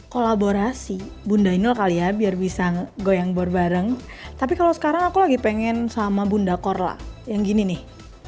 kolaborasi bundainal kali ya biar bisa goyang bor bareng tapi kalau sekarang aku lagi pengen sama bunda korla yang gini nih